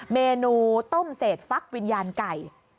เมนูต้มเศษฟักวิญญาณไก่